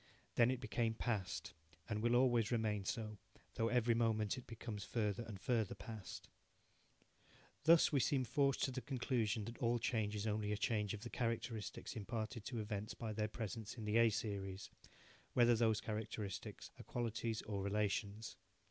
Then it became past, and will always remain so, though every moment it becomes further and further past. Thus we seem forced to the conclusion that all change is only a change of the characteristics imparted to events by their presence in the A series, whether those characteristics are qualities or relations.